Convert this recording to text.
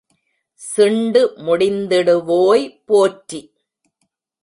சிண்டு முடிந்திடுவோய் போற்றி!